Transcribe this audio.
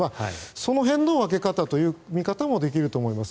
その辺の分け方という見方もできると思います。